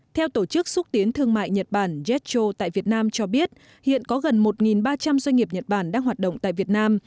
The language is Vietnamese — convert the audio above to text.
theo tổ chức xúc tiến thương mại nhật bản jetro tại việt nam cho biết hiện có gần một ba trăm linh doanh nghiệp nhật bản đang hoạt động tại việt nam